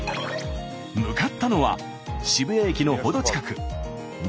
向かったのは渋谷駅の程近く２０２０年